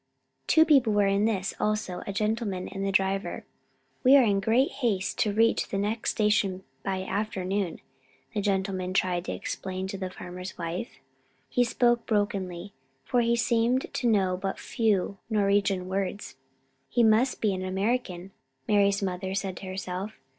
Two people were in this, also, a gentleman and the driver. "We are in great haste to reach the next station by afternoon," the gentleman tried to explain to the farmer's wife. He spoke brokenly, for he seemed to know but few Norwegian words. "He must be an American," Mari's mother said to herself.